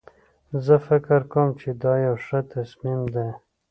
زه فکر کوم چې دا یو ښه تصمیم ده